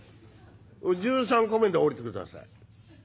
「１３個目で降りてください。